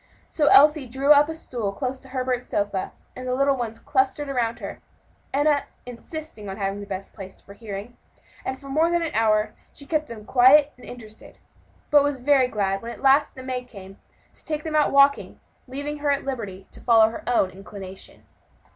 So Elsie drew up a stool close to Herbert's sofa, and the little ones clustered around her, Enna insisting on having the best place for hearing; and for more than an hour she kept them quiet and interested; but was very glad when at last the maid came to take them out walking, thus leaving her at liberty to follow her own inclination.